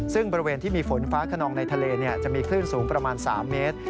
ซึ่งบริเวณที่มีฝนฟ้าขนองในทะเลจะมีคลื่นสูงประมาณ๓เมตร